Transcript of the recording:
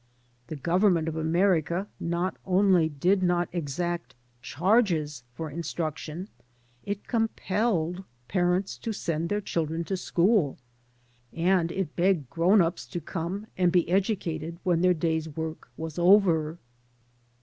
The Government of America not only did not exact charges for instruction; it compelled parents to send their children to school, and it begged grown ups to come and be educated when their day's work was 20 THE GOSPEL OF NEW YORK over.